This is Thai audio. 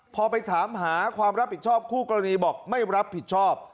พอไปถามหาความรับผิดชอบคู่กรณีบอกไม่รับผิดชอบ